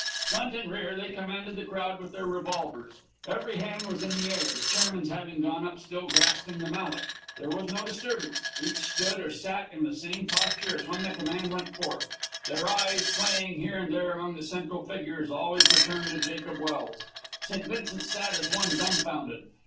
Front and rear they commanded the crowd with their revolvers. Every hand was in the air, the chairman's having gone up still grasping the mallet. There was no disturbance. Each stood or sat in the same posture as when the command went forth. Their eyes, playing here and there among the central figures, always returned to Jacob Welse. St. Vincent sat as one dumfounded.